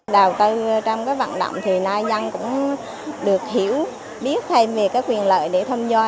đào tư trong cái vận động thì nay dân cũng được hiểu biết thay về cái quyền lợi để tham gia